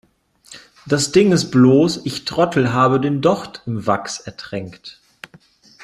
Das Ding ist bloß, ich Trottel habe den Docht im Wachs ertränkt.